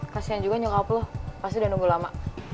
kasian juga nyokap lo pasti udah nunggu lama